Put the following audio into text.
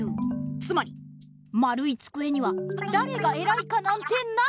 つまりまるいつくえにはだれがえらいかなんてない！